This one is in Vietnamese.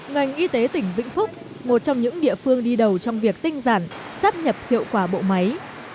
ngành y tế tỉnh vĩnh phúc một trong những địa phương đi đầu trong việc tinh giản sắp nhập hiệu quả bộ máy